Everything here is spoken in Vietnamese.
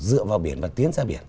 dựa vào biển và tiến ra biển